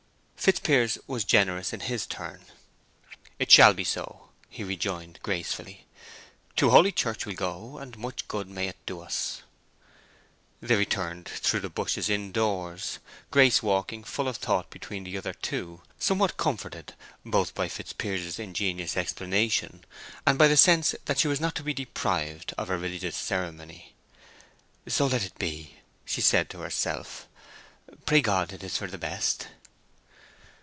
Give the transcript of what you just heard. Fitzpiers was generous in his turn. "It shall be so," he rejoined, gracefully. "To holy church we'll go, and much good may it do us." They returned through the bushes indoors, Grace walking, full of thought between the other two, somewhat comforted, both by Fitzpiers's ingenious explanation and by the sense that she was not to be deprived of a religious ceremony. "So let it be," she said to herself. "Pray God it is for the best."